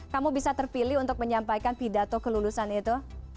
kamu bisa terpilih untuk menyampaikan pidato kelulusan itu